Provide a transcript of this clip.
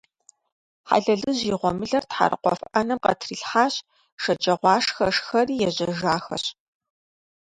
Хьэлэлыжь и гъуэмылэр тхьэрыкъуэф Ӏэнэм къытрилъхьащ, шэджагъуашхэ шхэри ежьэжахэщ .